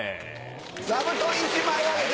座布団１枚あげて！